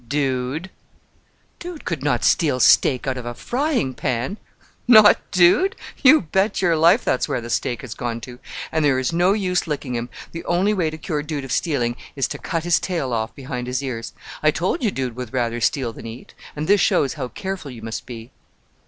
"Dude!" "Dude could not steal steak out of a frying pan?" "Not Dude? You bet your life that's where the steak has gone to. And there is no use licking him; the only way to cure Dude of stealing is to cut his tail off behind his ears. I told you Dude would rather steal than eat: and this shows how careful you must be."